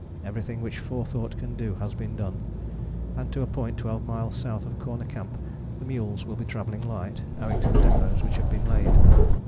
Everything which forethought can do has been done, and to a point twelve miles south of Corner Camp the mules will be travelling light owing to the depôts which have been laid.